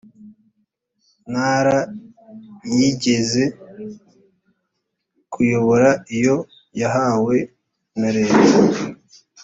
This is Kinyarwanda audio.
ntara yigeze kuyobora iyo yahawe na leta